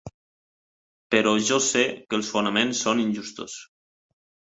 Però jo sé que els fonaments són injustos.